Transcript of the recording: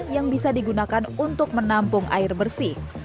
yang bisa digunakan untuk menampung air bersih